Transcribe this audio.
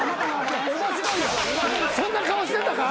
そんな顔してたか？